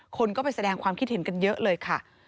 คนก็ไปแสดงความคิดเห็นกันเยอะเลยค่ะ